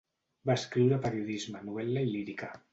Va escriure periodisme, novel·la i lírica.